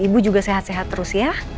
ibu juga sehat sehat terus ya